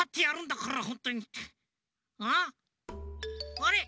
あれ？